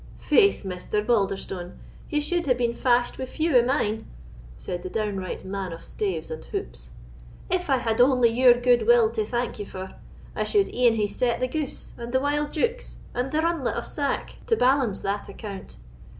"Faith, Mr. Balderstone, ye suld hae been fashed wi' few o' mine," said the downright man of staves and hoops, "if I had only your gude will to thank ye for: I suld e'en hae set the guse, and the wild deukes, and the runlet of sack to balance that account.